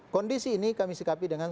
kondisi ini kami sikapi dengan